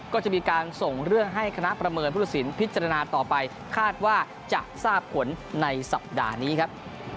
ก็จะมีการส่งเรื่องให้คณะประเมินผู้ตัดสินพิจารณาต่อไปคาดว่าจะทราบผลในสัปดาห์นี้ครับ